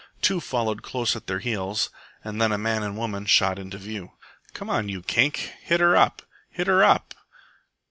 Two followed close at their heels, and then a man and a woman shot into view. "Come on, you Kink! Hit her up! Hit her up!"